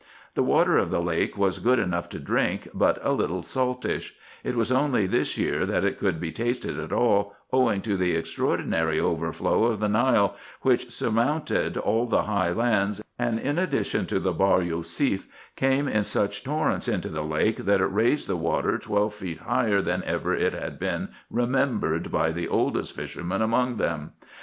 The water of the lake was good enough to drink, but a little saltish : it was only this year that it could be tasted at all, owing to the extraordinary overflow of the Nile, which surmounted all the high lands, and, in addition to the Bahr Yousef, came in such torrents into the lake, that it raised the water twelve feet higher than ever it had been remembered by the oldest fisherman among them.